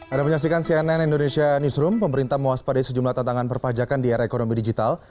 ada menyaksikan cnn indonesia newsroom pemerintah mewaspadai sejumlah tantangan perpajakan di era ekonomi digital